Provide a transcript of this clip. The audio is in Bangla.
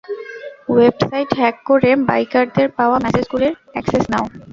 ওয়েবসাইট হ্যাক করে বাইকারদের পাওয়া মেসেজ গুলির অ্যাক্সেস নেও।